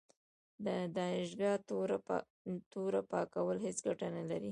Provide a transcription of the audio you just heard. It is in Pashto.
د دانشګاه توره پاکول هیڅ ګټه نه لري.